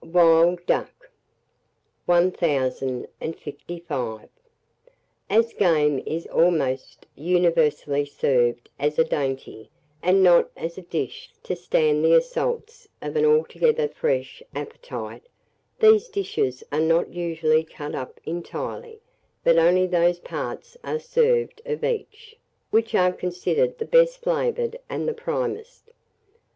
WILD DUCK. [Illustration: WILD DUCK.] 1055. As game is almost universally served as a dainty, and not as a dish to stand the assaults of an altogether fresh appetite, these dishes are not usually cut up entirely, but only those parts are served of each, which are considered the best flavoured and the primest.